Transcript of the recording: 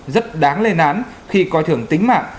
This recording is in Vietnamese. rất đáng lên án khi coi thường tính mạng